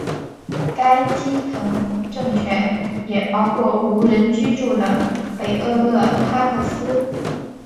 该基层政权也包括无人居住的北厄勒哈克斯。